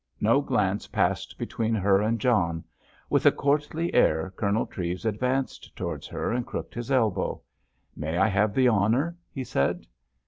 No glance passed between her and John. With a courtly air, Colonel Treves advanced towards her and crooked his elbow. "May I have the honour?" he said.